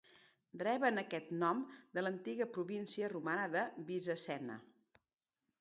Reben aquest nom de l'antiga província romana de la Bizacena.